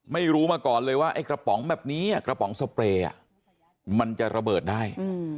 ไม่รู้มาก่อนเลยว่าไอ้กระป๋องแบบนี้กระป๋องสเปรย์มันจะระเบิดได้